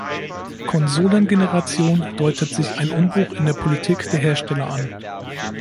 Konsolengeneration deutet sich ein Umbruch in der Politik der Hersteller an.